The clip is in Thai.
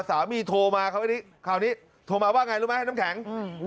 สามีโทรมาคราวนี้โทรมาว่าไงรู้ไหมน้ำแข็ง